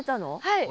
はい。